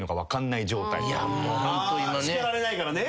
叱られないからね。